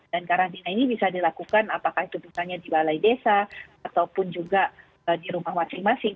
dan karantina ini bisa dilakukan apakah itu misalnya di balai desa ataupun juga di rumah masing masing